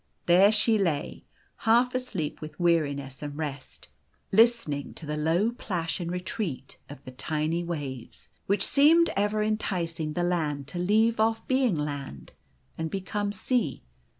There she lay, half asleep with weariness and rest, listening to the low plash and retreat of the tiny waves, which seemed ever enticing the land to leave off being laud, and become sea.